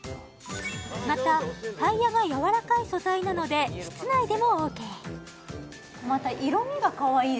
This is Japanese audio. またタイヤがやわらかい素材なので室内でもＯＫ確かにいい